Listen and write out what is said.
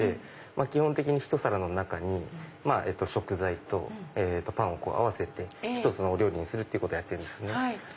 基本的にひと皿の中に食材とパンを合わせて１つのお料理にすることをやってるんですね。